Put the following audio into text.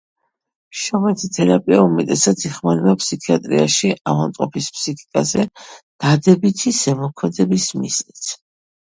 შრომითი თერაპია უმეტესად იხმარება ფსიქიატრიაში ავადმყოფის ფსიქიკაზე დადებითი ზემოქმედების მიზნით.